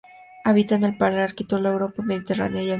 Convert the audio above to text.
Habita en el paleártico: la Europa mediterránea y el Magreb.